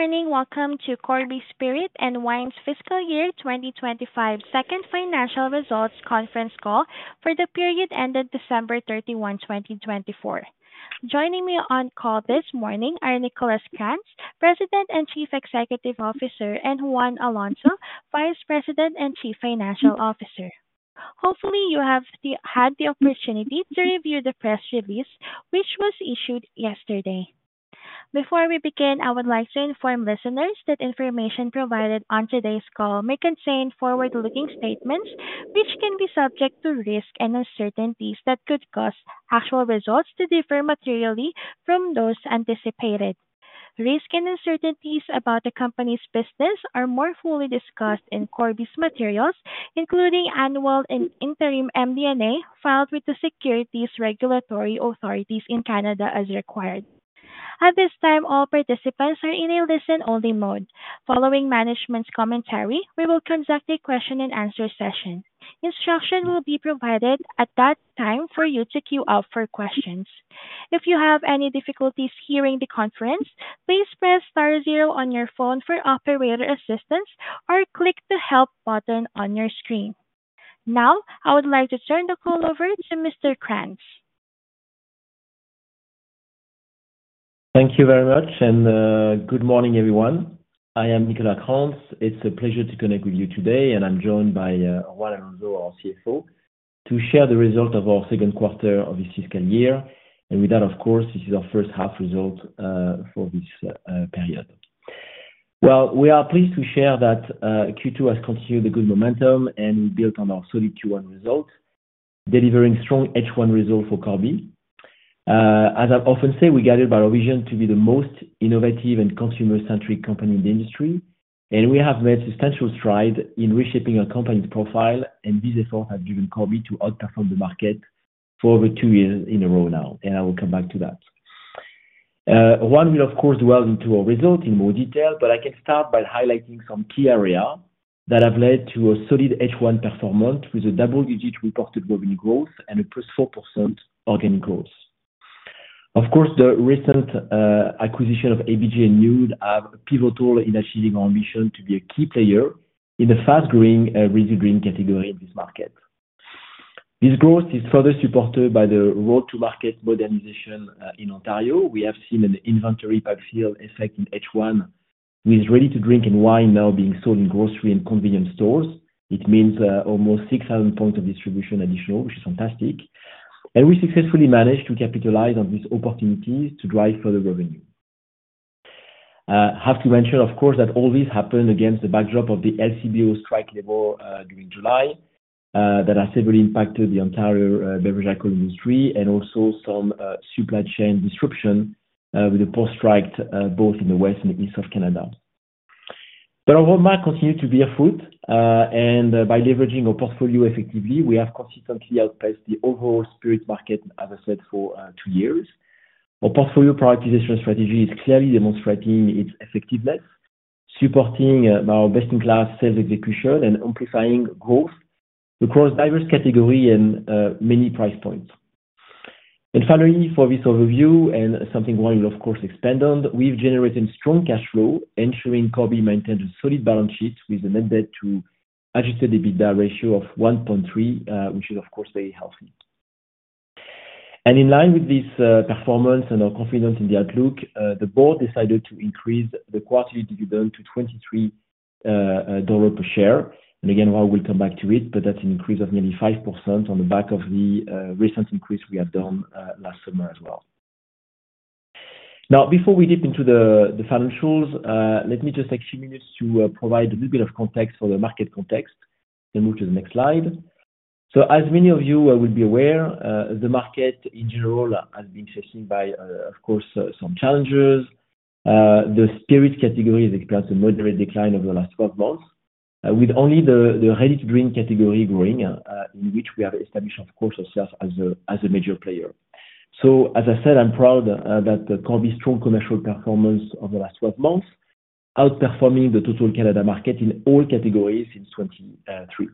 Good morning. Welcome to Corby Spirit and Wine's FY25 Second Financial Results Conference Call for the period ended December 31, 2024. Joining me on call this morning are Nicolas Krantz, President and Chief Executive Officer, and Juan Alonso, Vice President and Chief Financial Officer. Hopefully, you have had the opportunity to review the press release, which was issued yesterday. Before we begin, I would like to inform listeners that information provided on today's call may contain forward-looking statements, which can be subject to risk and uncertainties that could cause actual results to differ materially from those anticipated. Risk and uncertainties about the company's business are more fully discussed in Corby's materials, including annual interim MD&A filed with the securities regulatory authorities in Canada as required. At this time, all participants are in a listen-only mode. Following management's commentary, we will conduct a question-and-answer session. Instruction will be provided at that time for you to queue up for questions. If you have any difficulties hearing the conference, please press * on your phone for operator assistance or click the Help button on your screen. Now, I would like to turn the call over to Mr. Krantz. Thank you very much, and good morning, everyone. I am Nicolas Krantz. It's a pleasure to connect with you today, and I'm joined by Juan Alonso, our CFO, to share the result of our second quarter of this fiscal year. With that, of course, this is our first half result for this period. We are pleased to share that Q2 has continued the good momentum and built on our solid Q1 result, delivering strong H1 result for Corby. As I often say, we are guided by our vision to be the most innovative and consumer-centric company in the industry, and we have made a substantial stride in reshaping our company's profile, and these efforts have driven Corby to outperform the market for over two years in a row now, and I will come back to that. Juan will, of course, delve into our results in more detail, but I can start by highlighting some key areas that have led to a solid H1 performance with a double-digit reported revenue growth and a +4% organic growth. Of course, the recent acquisition of ABG and Nude have been pivotal in achieving our ambition to be a key player in the fast-growing ready-to-drink category in this market. This growth is further supported by the route-to-market modernization in Ontario. We have seen an inventory pipeline fill effect in H1, with ready-to-drink and wine now being sold in grocery and convenience stores. It means almost 6,000 points of distribution additional, which is fantastic, and we successfully managed to capitalize on these opportunities to drive further revenue. I have to mention, of course, that all this happened against the backdrop of the LCBO strike level during July that has severely impacted the entire beverage alcohol industry and also some supply chain disruption with the post-strike, both in the West and the East of Canada, but our roadmap continued to bear fruit, and by leveraging our portfolio effectively, we have consistently outpaced the overall spirit market, as I said, for two years. Our portfolio prioritization strategy is clearly demonstrating its effectiveness, supporting our best-in-class sales execution and amplifying growth across diverse categories and many price points, and finally, for this overview, and something Juan will, of course, expand on, we've generated strong cash flow, ensuring Corby maintained a solid balance sheet with a Net Debt to Adjusted EBITDA ratio of 1.3, which is, of course, very healthy. In line with this performance and our confidence in the outlook, the Board decided to increase the quarterly dividend to 0.23 dollars per share. And again, Juan will come back to it, but that's an increase of nearly 5% on the back of the recent increase we had done last summer as well. Now, before we dip into the financials, let me just take a few minutes to provide a little bit of context for the market context and move to the next slide. So, as many of you will be aware, the market in general has been faced by, of course, some challenges. The spirits category has experienced a moderate decline over the last 12 months, with only the ready-to-drink category growing, in which we have established, of course, ourselves as a major player. As I said, I'm proud that Corby's strong commercial performance over the last 12 months outperformed the total Canada market in all categories since 2023.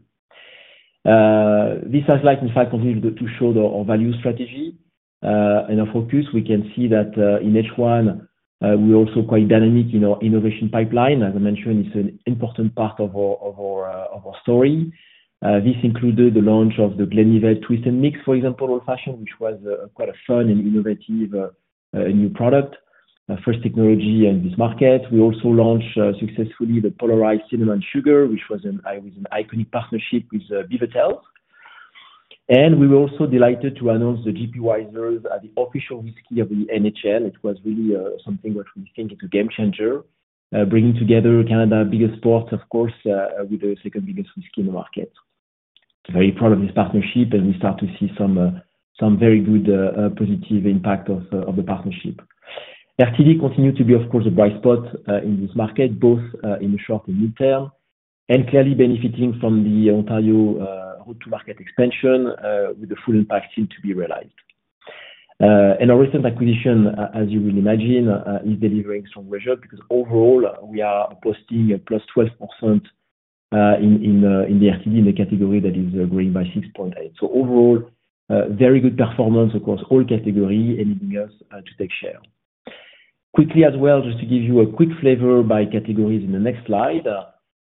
This has, in fact, continued to show our value strategy and our focus. We can see that in H1, we're also quite dynamic in our innovation pipeline. As I mentioned, it's an important part of our story. This included the launch of the The Glenlivet Twist & Mix, for example, Old Fashioned, which was quite a fun and innovative new product, a first technology in this market. We also launched successfully the Polar Ice Cinnamon Sugar, which was an iconic partnership with BeaverTails. And we were also delighted to announce the J.P. Wiser's as the official whisky of the NHL. It was really something that we think is a game-changer, bringing together Canada's biggest sports, of course, with the second biggest whisky in the market. Very proud of this partnership, and we start to see some very good positive impact of the partnership. RTD continued to be, of course, a bright spot in this market, both in the short and mid-term, and clearly benefiting from the Ontario route-to-market expansion with the full impact still to be realized, and our recent acquisition, as you will imagine, is delivering strong results because overall, we are posting a +12% in the RTD in the category that is growing by 6.8%. Overall, very good performance across all categories, enabling us to take share. Quickly as well, just to give you a quick flavor by categories in the next slide,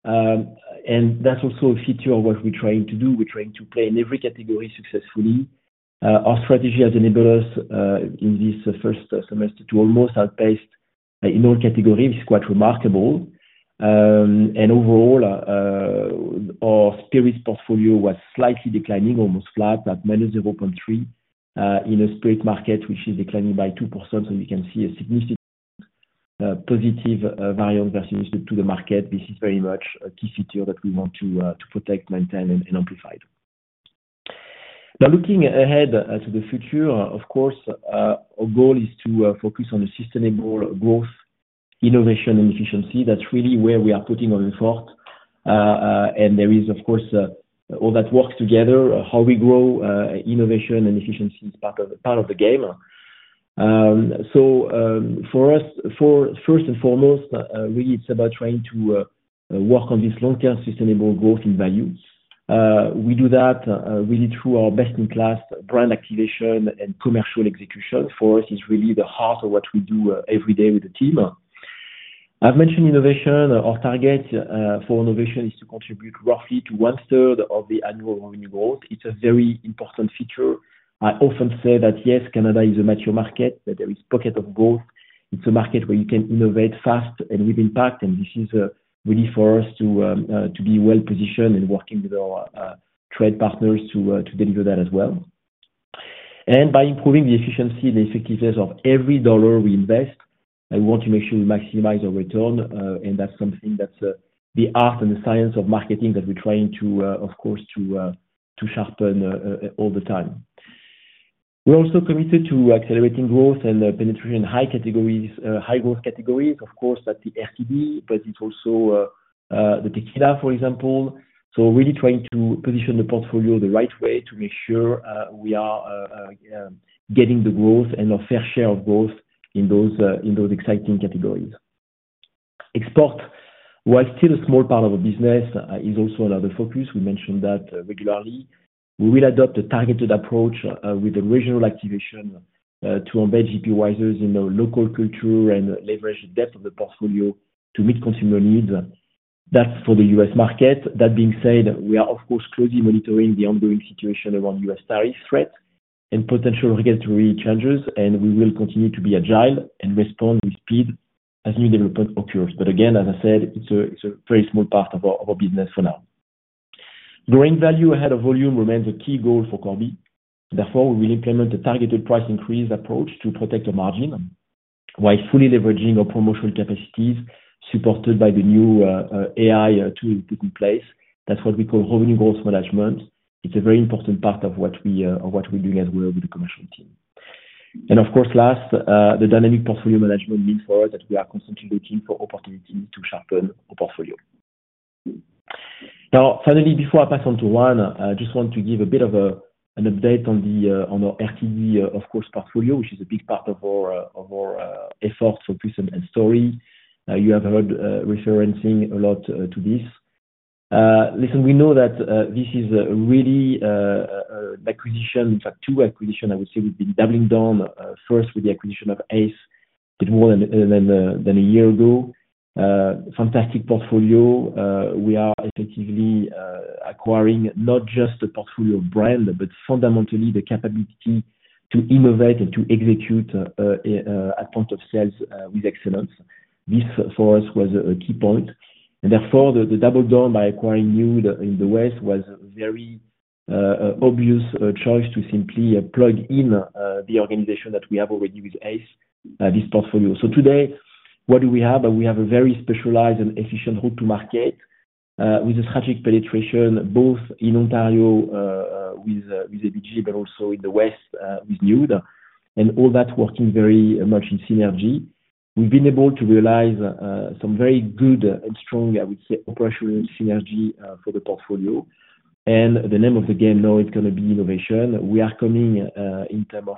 and that's also a feature of what we're trying to do. We're trying to play in every category successfully. Our strategy has enabled us in this first semester to almost outpace in all categories. It's quite remarkable. Overall, our spirits portfolio was slightly declining, almost flat at -0.3% in the spirit market, which is declining by 2%. You can see a significant positive variance versus the market. This is very much a key feature that we want to protect, maintain, and amplify. Now, looking ahead to the future, of course, our goal is to focus on sustainable growth, innovation, and efficiency. That's really where we are putting our effort. There is, of course, all that works together. How we grow innovation and efficiency is part of the game. For us, first and foremost, really, it's about trying to work on this long-term sustainable growth in value. We do that really through our best-in-class brand activation and commercial execution. For us, it's really the heart of what we do every day with the team. I've mentioned innovation. Our target for innovation is to contribute roughly to one-third of the annual revenue growth. It's a very important feature. I often say that, yes, Canada is a mature market, that there is a pocket of growth. It's a market where you can innovate fast and with impact, and this is really for us to be well-positioned and working with our trade partners to deliver that as well, and by improving the efficiency and the effectiveness of every dollar we invest, I want to make sure we maximize our return, and that's something that's the art and the science of marketing that we're trying to, of course, to sharpen all the time. We're also committed to accelerating growth and penetration in high-growth categories, of course, at the RTD, but it's also the tequila, for example. So, really trying to position the portfolio the right way to make sure we are getting the growth and our fair share of growth in those exciting categories. Export, while still a small part of our business, is also another focus. We mentioned that regularly. We will adopt a targeted approach with a regional activation to embed J.P. Wiser's in our local culture and leverage the depth of the portfolio to meet consumer needs. That's for the U.S. market. That being said, we are, of course, closely monitoring the ongoing situation around U.S. tariff threats and potential regulatory changes, and we will continue to be agile and respond with speed as new developments occur. But again, as I said, it's a very small part of our business for now. Growing value ahead of volume remains a key goal for Corby. Therefore, we will implement a targeted price increase approach to protect our margin while fully leveraging our promotional capacities supported by the new AI tools we put in place. That's what we call revenue growth management. It's a very important part of what we're doing as well with the commercial team. And of course, last, the dynamic portfolio management means for us that we are constantly looking for opportunities to sharpen our portfolio. Now, finally, before I pass on to Juan, I just want to give a bit of an update on our RTD, of course, portfolio, which is a big part of our effort, focus, and story. You have heard referencing a lot to this. Listen, we know that this is really an acquisition, in fact, two acquisitions, I would say, we've been doubling down first with the acquisition of Ace, a bit more than a year ago. Fantastic portfolio. We are effectively acquiring not just the portfolio brand, but fundamentally the capability to innovate and to execute at point of sales with excellence. This, for us, was a key point, and therefore, the double down by acquiring Nude in the West was a very obvious choice to simply plug in the organization that we have already with Ace, this portfolio, so today, what do we have? We have a very specialized and efficient route-to-market with a strategic penetration, both in Ontario with ABG, but also in the West with Nude, and all that working very much in synergy. We've been able to realize some very good and strong, I would say, operational synergy for the portfolio, and the name of the game now is going to be innovation. We are coming in terms of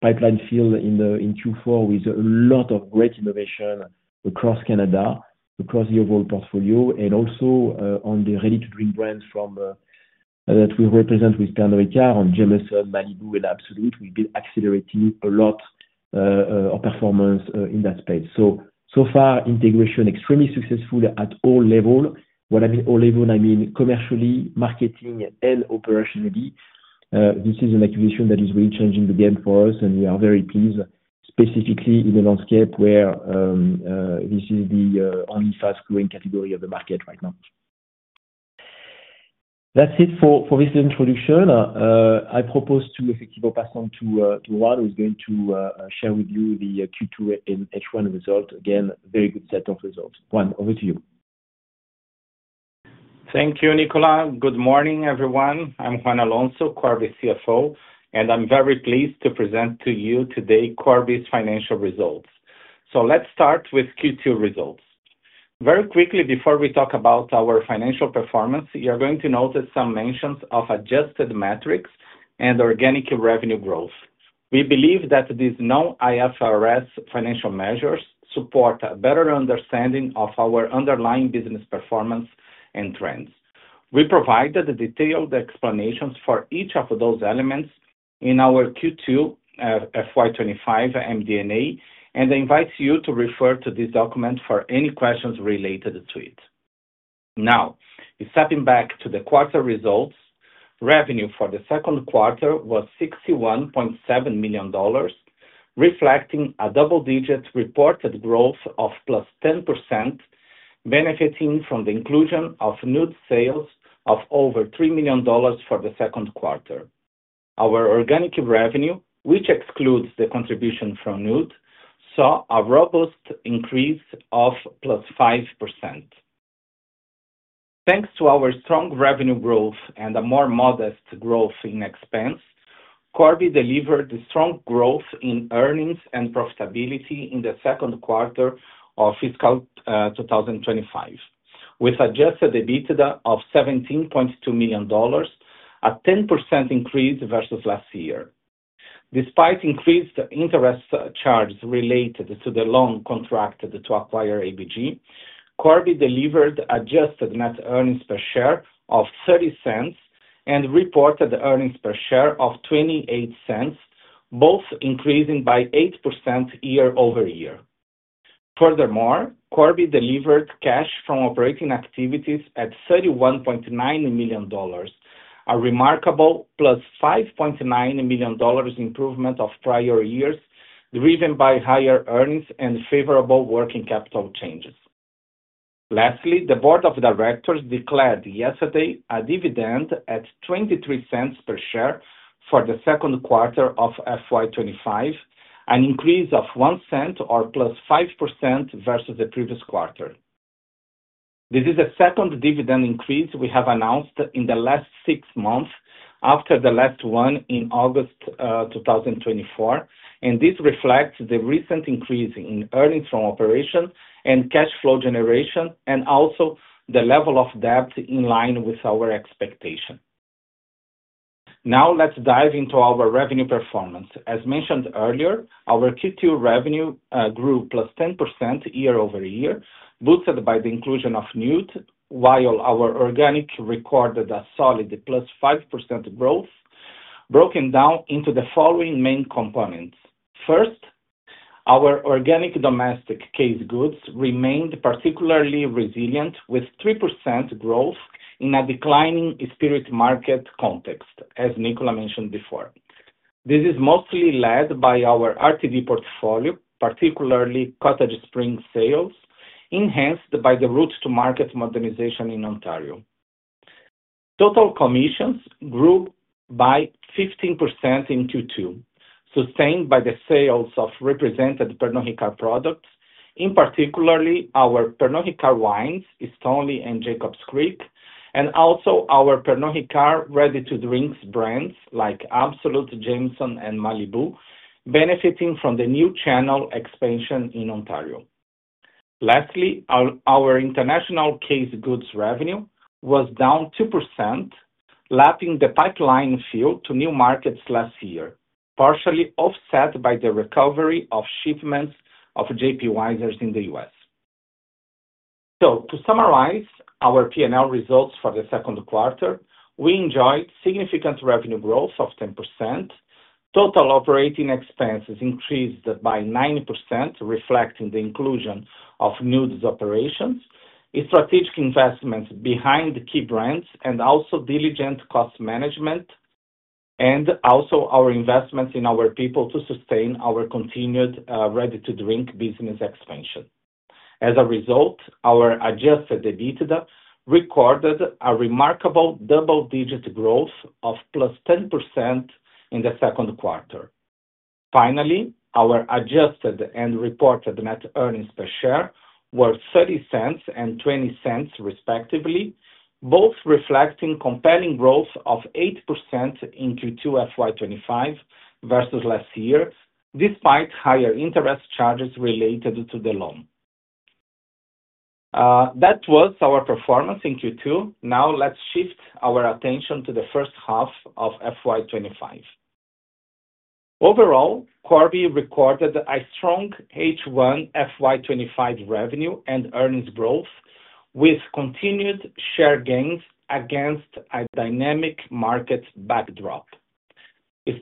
pipeline fill in Q4 with a lot of great innovation across Canada, across the overall portfolio, and also on the ready-to-drink brands that we represent with Pernod Ricard, Jameson, Malibu, and Absolut. We've been accelerating a lot of performance in that space. So, so far, integration extremely successful at all levels. When I mean all levels, I mean commercially, marketing, and operationally. This is an acquisition that is really changing the game for us, and we are very pleased, specifically in the landscape where this is the only fast-growing category of the market right now. That's it for this introduction. I propose to effectively pass on to Juan, who's going to share with you the Q2 and H1 results. Again, very good set of results. Juan, over to you. Thank you, Nicolas. Good morning, everyone. I'm Juan Alonso, Corby CFO, and I'm very pleased to present to you today Corby's financial results. So let's start with Q2 results. Very quickly, before we talk about our financial performance, you're going to notice some mentions of adjusted metrics and organic revenue growth. We believe that these non-IFRS financial measures support a better understanding of our underlying business performance and trends. We provided detailed explanations for each of those elements in our Q2 FY25 MD&A, and I invite you to refer to this document for any questions related to it. Now, stepping back to the quarter results, revenue for the second quarter was 61.7 million dollars, reflecting a double-digit reported growth of +10%, benefiting from the inclusion of Nude sales of over 3 million dollars for the second quarter. Our organic revenue, which excludes the contribution from Nude, saw a robust increase of +5%. Thanks to our strong revenue growth and a more modest growth in expense, Corby delivered strong growth in earnings and profitability in the second quarter of fiscal 2025, with adjusted EBITDA of 17.2 million dollars, a 10% increase versus last year. Despite increased interest charges related to the loan contracted to acquire ABG, Corby delivered Adjusted Net Earnings per share of 0.30 and reported earnings per share of 0.28, both increasing by 8% year over year. Furthermore, Corby delivered cash from operating activities at 31.9 million dollars, a remarkable +5.9 million improvement of prior years, driven by higher earnings and favorable working capital changes. Lastly, the Board of Directors declared yesterday a dividend at 0.23 per share for the second quarter of FY25, an increase of 0.01 or +5% versus the previous quarter. This is the second dividend increase we have announced in the last six months after the last one in August 2024, and this reflects the recent increase in earnings from operations and cash flow generation, and also the level of debt in line with our expectation. Now, let's dive into our revenue performance. As mentioned earlier, our Q2 revenue grew +10% year over year, boosted by the inclusion of Nude, while our organic recorded a solid +5% growth, broken down into the following main components. First, our organic domestic case goods remained particularly resilient, with 3% growth in a declining spirit market context, as Nicolas mentioned before. This is mostly led by our RTD portfolio, particularly Cottage Springs sales, enhanced by the route-to-market modernization in Ontario. Total commissions grew by 15% in Q2, sustained by the sales of represented Pernod Ricard products, in particular our Pernod Ricard wines, Stoneleigh and Jacob's Creek, and also our Pernod Ricard ready-to-drink brands like Absolut, Jameson, and Malibu, benefiting from the new channel expansion in Ontario. Lastly, our international case goods revenue was down 2%, lapping the pipeline fill to new markets last year, partially offset by the recovery of shipments of J.P. Wiser's in the U.S. So, to summarize our P&L results for the second quarter, we enjoyed significant revenue growth of 10%, total operating expenses increased by 9%, reflecting the inclusion of Nude's operations, strategic investments behind key brands, and also diligent cost management, and also our investments in our people to sustain our continued ready-to-drink business expansion. As a result, our Adjusted EBITDA recorded a remarkable double-digit growth of +10% in the second quarter. Finally, our Adjusted and reported net earnings per share were 0.30 and 0.20, respectively, both reflecting compelling growth of 8% in Q2 FY25 versus last year, despite higher interest charges related to the loan. That was our performance in Q2. Now, let's shift our attention to the first half of FY25. Overall, Corby recorded a strong H1 FY25 revenue and earnings growth, with continued share gains against a dynamic market backdrop.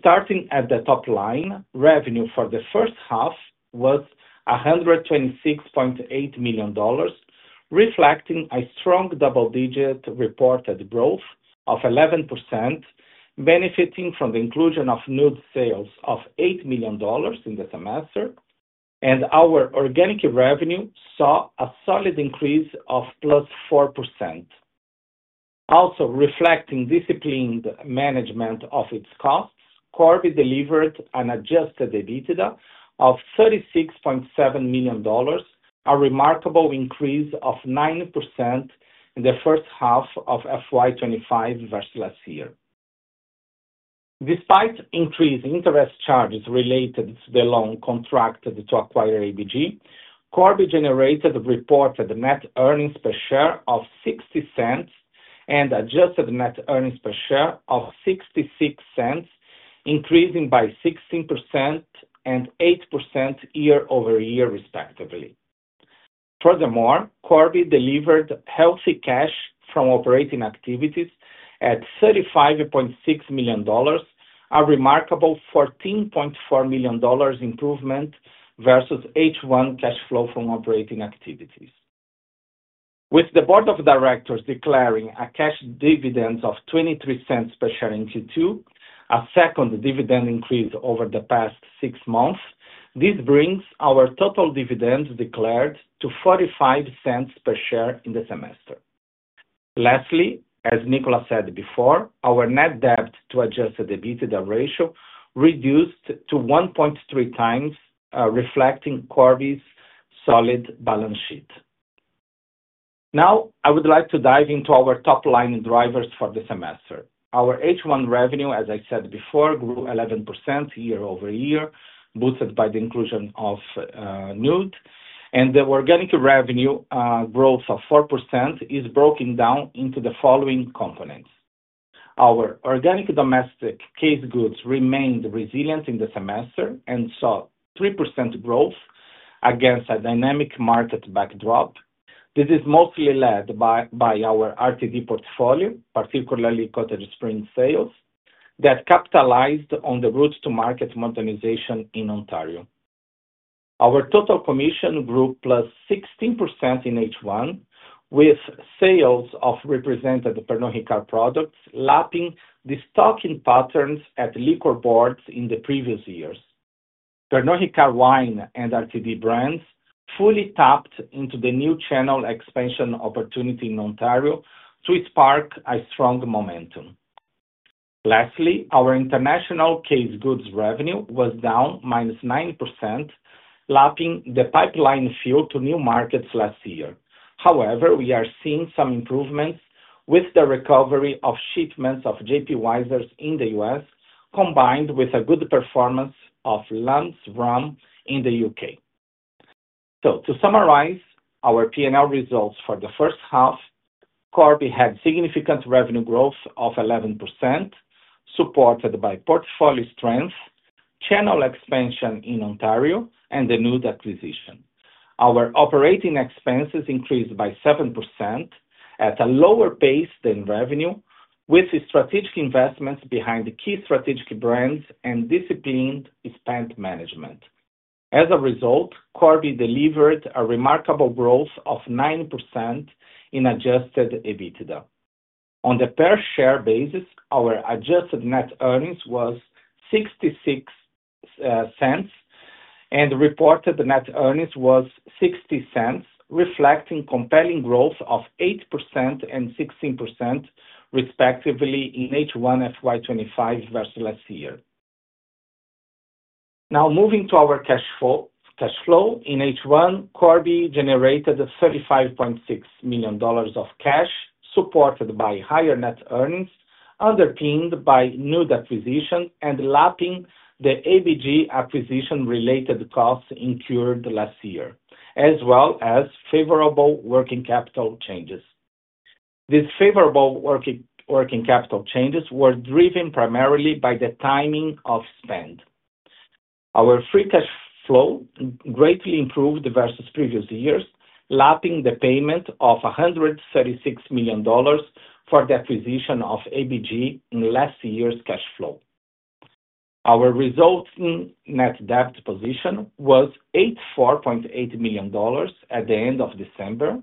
Starting at the top line, revenue for the first half was 126.8 million dollars, reflecting a strong double-digit reported growth of 11%, benefiting from the inclusion of Nude sales of 8 million dollars in the semester, and our organic revenue saw a solid increase of +4%. Also, reflecting disciplined management of its costs, Corby delivered an Adjusted EBITDA of 36.7 million dollars, a remarkable increase of 9% in the first half of FY25 versus last year. Despite increased interest charges related to the loan contracted to acquire ABG, Corby generated a reported net earnings per share of 0.60 and Adjusted Net Earnings per share of 0.66, increasing by 16% and 8% year over year, respectively. Furthermore, Corby delivered healthy cash from operating activities at 35.6 million dollars, a remarkable 14.4 million dollars improvement versus H1 cash flow from operating activities. With the Board of Directors declaring a cash dividend of 0.23 per share in Q2, a second dividend increase over the past six months, this brings our total dividend declared to 0.45 per share in the semester. Lastly, as Nicolas said before, our Net Debt to Adjusted EBITDA ratio reduced to 1.3 times, reflecting Corby's solid balance sheet. Now, I would like to dive into our top line drivers for the semester. Our H1 revenue, as I said before, grew 11% year over year, boosted by the inclusion of Nude, and the organic revenue growth of 4% is broken down into the following components. Our organic domestic case goods remained resilient in the semester and saw 3% growth against a dynamic market backdrop. This is mostly led by our RTD portfolio, particularly Cottage Springs sales, that capitalized on the route-to-market modernization in Ontario. Our total commission grew +16% in H1, with sales of represented Pernod Ricard products lapping the stocking patterns at liquor boards in the previous years. Pernod Ricard wine and RTD brands fully tapped into the new channel expansion opportunity in Ontario to spark a strong momentum. Lastly, our international case goods revenue was down -9%, lapping the pipeline fill to new markets last year. However, we are seeing some improvements with the recovery of shipments of J.P. Wiser's in the U.S., combined with a good performance of Lamb's Rum in the U.K. So, to summarize our P&L results for the first half, Corby had significant revenue growth of 11%, supported by portfolio strength, channel expansion in Ontario, and the Nude acquisition. Our operating expenses increased by 7% at a lower pace than revenue, with strategic investments behind key strategic brands and disciplined spend management. As a result, Corby delivered a remarkable growth of 9% in Adjusted EBITDA. On the per share basis, our Adjusted Net Earnings was 0.66, and reported net earnings was 0.60, reflecting compelling growth of 8% and 16%, respectively, in H1 FY25 versus last year. Now, moving to our cash flow. In H1, Corby generated 35.6 million dollars of cash, supported by higher net earnings, underpinned by Nude acquisition and lapping the ABG acquisition-related costs incurred last year, as well as favorable working capital changes. These favorable working capital changes were driven primarily by the timing of spend. Our free cash flow greatly improved versus previous years, lapping the payment of 136 million dollars for the acquisition of ABG in last year's cash flow. Our resulting net debt position was 84.8 million dollars at the end of December,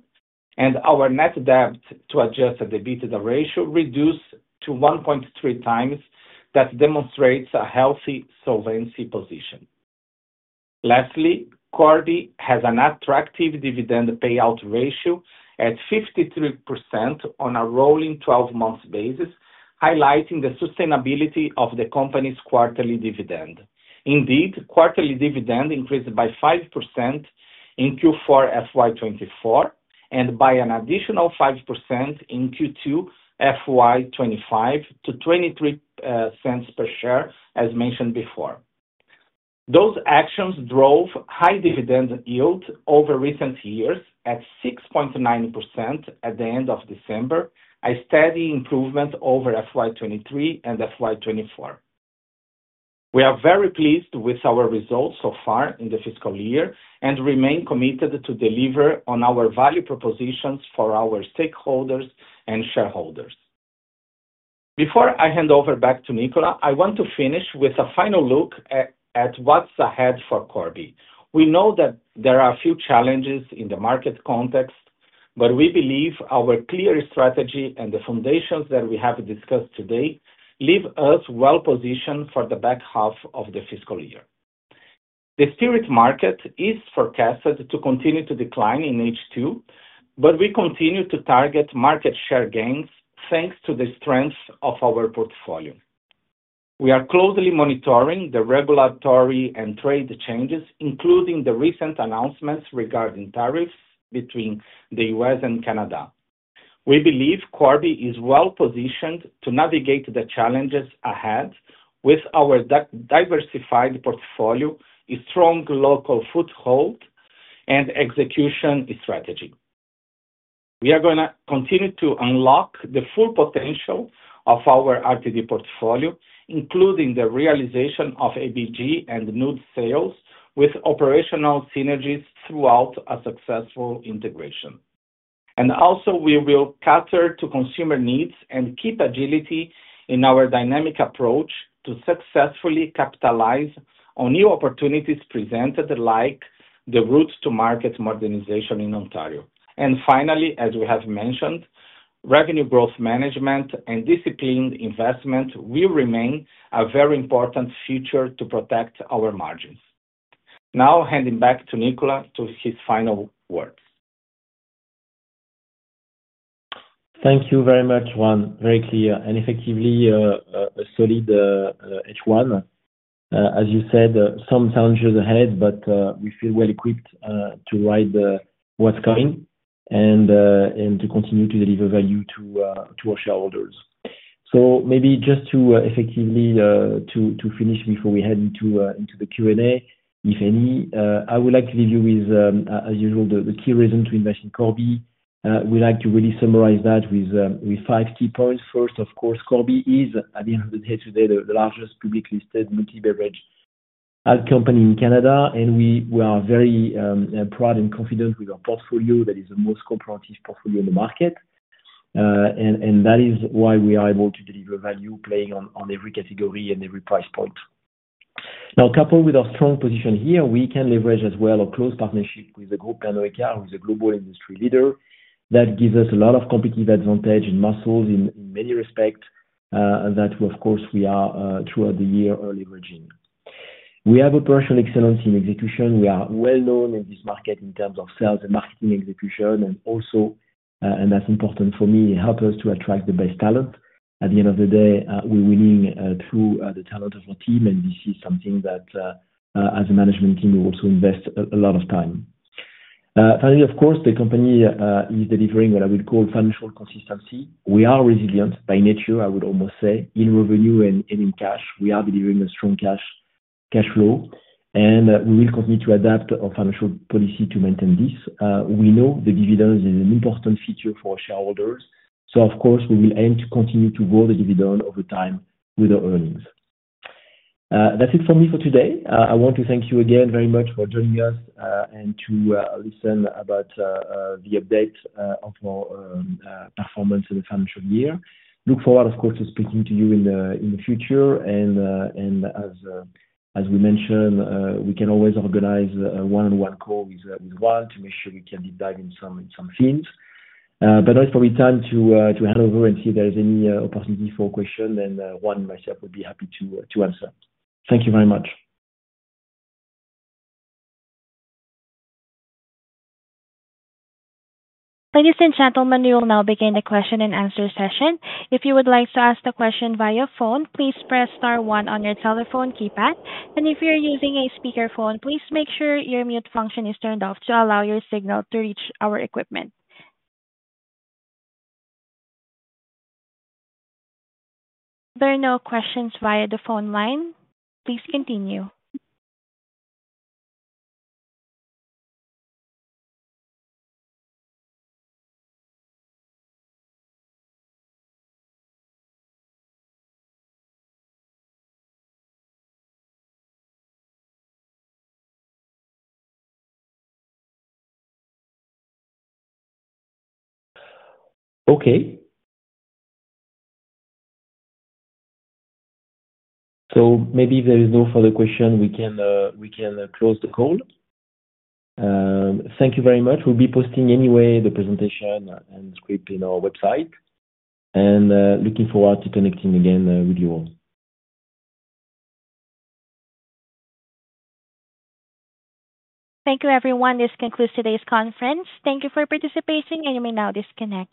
and our Net Debt to Adjusted EBITDA ratio reduced to 1.3 times. That demonstrates a healthy solvency position. Lastly, Corby has an attractive dividend payout ratio at 53% on a rolling 12-month basis, highlighting the sustainability of the company's quarterly dividend. Indeed, quarterly dividend increased by 5% in Q4 FY24 and by an additional 5% in Q2 FY25 to 0.23 per share, as mentioned before. Those actions drove high dividend yield over recent years at 6.9% at the end of December, a steady improvement over FY23 and FY24. We are very pleased with our results so far in the fiscal year and remain committed to deliver on our value propositions for our stakeholders and shareholders. Before I hand over back to Nicolas, I want to finish with a final look at what's ahead for Corby. We know that there are a few challenges in the market context, but we believe our clear strategy and the foundations that we have discussed today leave us well-positioned for the back half of the fiscal year. The spirit market is forecasted to continue to decline in H2, but we continue to target market share gains thanks to the strength of our portfolio. We are closely monitoring the regulatory and trade changes, including the recent announcements regarding tariffs between the U.S. and Canada. We believe Corby is well-positioned to navigate the challenges ahead with our diversified portfolio, a strong local foothold, and execution strategy. We are going to continue to unlock the full potential of our RTD portfolio, including the realization of ABG and Nude sales with operational synergies throughout a successful integration. And also, we will cater to consumer needs and keep agility in our dynamic approach to successfully capitalize on new opportunities presented like the route-to-market modernization in Ontario. And finally, as we have mentioned, revenue growth management and disciplined investment will remain a very important feature to protect our margins. Now, handing back to Nicolas to his final words. Thank you very much, Juan. Very clear and effectively a solid H1. As you said, some challenges ahead, but we feel well-equipped to ride what's coming and to continue to deliver value to our shareholders. So maybe just to effectively finish before we head into the Q&A, if any, I would like to leave you with, as usual, the key reason to invest in Corby. We'd like to really summarize that with five key points. First, of course, Corby is, at the end of the day today, the largest public-listed multi-beverage alcohol company in Canada, and we are very proud and confident with our portfolio that is the most comprehensive portfolio in the market. And that is why we are able to deliver value playing on every category and every price point. Now, coupled with our strong position here, we can leverage as well a close partnership with the group Pernod Ricard, who is a global industry leader. That gives us a lot of competitive advantage and muscles in many respects that, of course, we are throughout the year leveraging. We have operational excellence in execution. We are well-known in this market in terms of sales and marketing execution, and also, and that's important for me, help us to attract the best talent. At the end of the day, we're winning through the talent of our team, and this is something that, as a management team, we also invest a lot of time. Finally, of course, the company is delivering what I would call financial consistency. We are resilient by nature, I would almost say, in revenue and in cash. We are delivering a strong cash flow, and we will continue to adapt our financial policy to maintain this. We know the dividend is an important feature for our shareholders. So, of course, we will aim to continue to grow the dividend over time with our earnings. That's it for me for today. I want to thank you again very much for joining us and to listen about the update of our performance in the financial year. Look forward, of course, to speaking to you in the future. And as we mentioned, we can always organize a one-on-one call with Juan to make sure we can deep dive in some themes. But now it's probably time to hand over and see if there's any opportunity for questions, and Juan and myself would be happy to answer. Thank you very much. Ladies and gentlemen, we will now begin the question and answer session. If you would like to ask a question via phone, please press star one on your telephone keypad. If you're using a speakerphone, please make sure your mute function is turned off to allow your signal to reach our equipment. If there are no questions via the phone line, please continue. Okay. Maybe if there is no further question, we can close the call. Thank you very much. We'll be posting anyway the presentation and script in our website, and looking forward to connecting again with you all. Thank you, everyone. This concludes today's conference. Thank you for participating, and you may now disconnect.